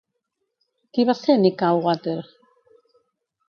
Qui va ser Nikkal-wa-ter?